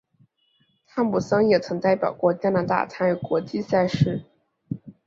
汤普森也曾代表过加拿大参与国际赛事。